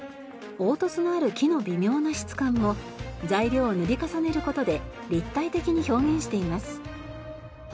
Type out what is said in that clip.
凹凸のある木の微妙な質感も材料を塗り重ねる事で立体的に表現しています。